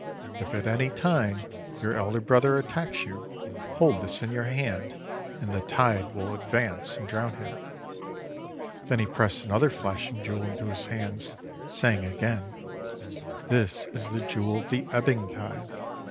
If at any time your elder brother attacks you, hold this in your hand, and the tide will advance and drown him/3 Then he pressed another flashing jewel into his hands, saying again : "This is the Jewel of the Ebbing Tide.